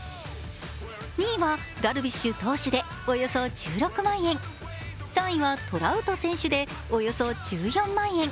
２位はダルビッシュ投手でおよそ１６万円３位はトラウト選手で、およそ１４万円。